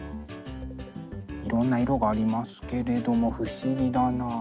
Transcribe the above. いろんな色がありますけれども不思議だな。